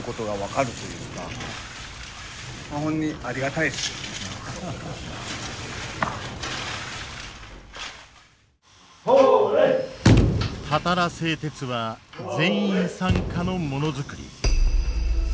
たたら製鉄は全員参加のものづくり。